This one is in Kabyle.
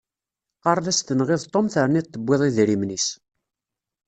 Qqaren-as tenɣiḍ Tom terniḍ tewwiḍ idrimen-is.